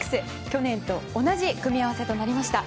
去年と同じ組み合わせとなりました。